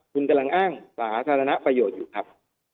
คุณกำลังอ้างสาธารณประโยชน์อยู่ครับ